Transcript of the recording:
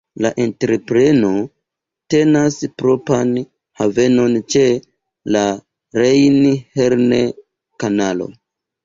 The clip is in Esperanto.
La entrepreno tenas propran havenon ĉe la Rejn-Herne-Kanalo.